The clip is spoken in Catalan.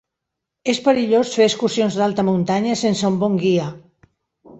És perillós fer excursions d'alta muntanya sense un bon guia.